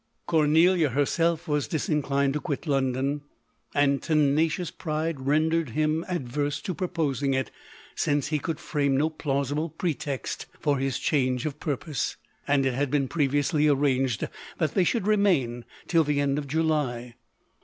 Cornelia her self was disinclined to quit London, and tena cious pride rendered him averse to proposing it, since he could frame no plausible pretext for his change of purpose, and it had been previously arranged that they should remain till the end of July.